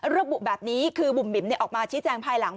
เรื่องบุ๋มแบบนี้คือบุ๋มบิ๋มเนี่ยออกมาชี้แจงภายหลัง